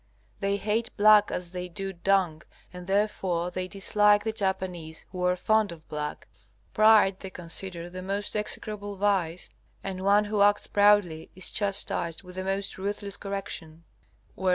They hate black as they do dung, and therefore they dislike the Japanese, who are fond of black. Pride they consider the most execrable vice, and one who acts proudly is chastised with the most ruthless correction.